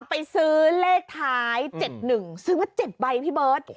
ไปซื้อเลขท้าย๗๑ซื้อมา๗ใบพี่เบิร์ต